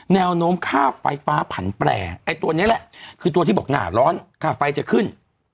แนวโน้มค่าไฟฟ้าผันแปรไอ้ตัวนี้แหละคือตัวที่บอกหนาร้อนค่าไฟจะขึ้น